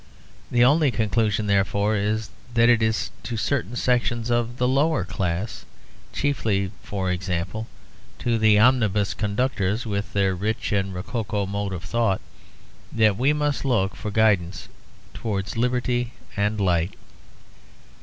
The only conclusion, therefore, is that it is to certain sections of the lower class, chiefly, for example, to omnibus conductors, with their rich and rococo mode of thought, that we must look for guidance towards liberty and light.